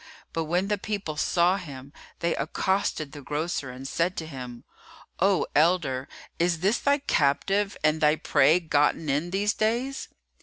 But when the people saw him, they accosted the grocer and said to him, "O elder, is this thy captive and thy prey gotten in these days?"